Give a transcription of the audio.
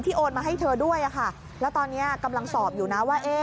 โอนมาให้เธอด้วยค่ะแล้วตอนนี้กำลังสอบอยู่นะว่า